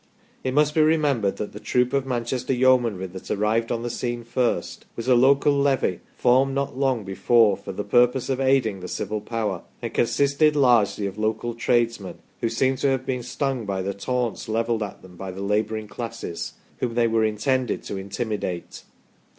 It must be remembered that the troop of Manchester Yeomanry that arrived on the scene first was a local levy formed not long before, for the purpose of aiding the civil power, and consisted largely of local tradesmen, who seem to have been stung by the taunts levelled at them by the labouring classes, whom they were intended to intimidate.